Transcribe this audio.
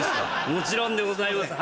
もちろんでございます。